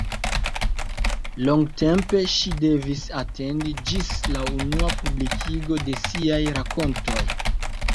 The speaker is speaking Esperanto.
Longtempe ŝi devis atendi ĝis la unua publikigo de siaj rakontoj.